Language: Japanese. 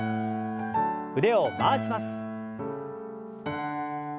腕を回します。